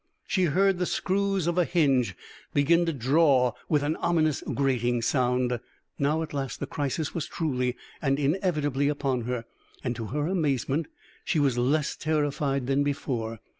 She heard the screws of a hinge begin to draw with an ominous grating sound. Now at last the crisis was truly and inevitably upon her. And, to her amazement, she was less terrified than before.